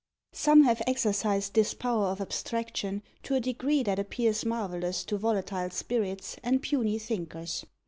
Some have exercised this power of abstraction to a degree that appears marvellous to volatile spirits, and puny thinkers.